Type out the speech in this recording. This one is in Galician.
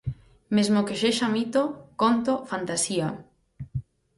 Mesmo que sexa mito, conto, fantasía.